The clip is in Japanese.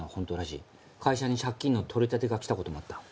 会社に借金の取り立てが来た事もあった。